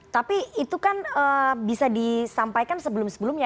tapi itu kan bisa disampaikan sebelum sebelumnya